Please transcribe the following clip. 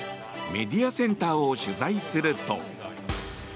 メディアセンターを取材すると。